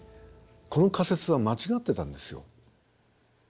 この仮説は間違ってたんですよ。